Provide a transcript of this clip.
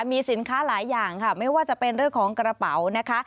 มีสินค้าหลายอย่างค่ะไม่ว่าจะเป็นเรื่องของกระเป๋านะคะ